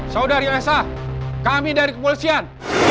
saudari esa kami dari kepolisian